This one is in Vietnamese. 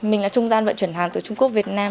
mình là trung gian vận chuyển hàng từ trung quốc việt nam